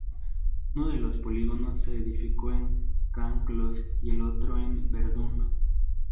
Uno de los polígonos se edificó en Can Clos y el otro en Verdún.